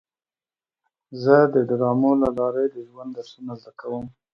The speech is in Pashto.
زه د ډرامو له لارې د ژوند درسونه زده کوم.